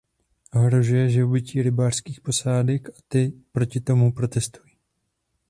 Ohrožuje živobytí rybářských posádek, a ty proti tomu protestují.